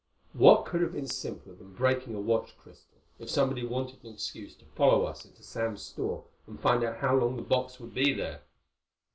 "What could have been simpler than breaking a watch crystal, if somebody wanted an excuse to follow us into Sam's store and find out how long the box would be there?"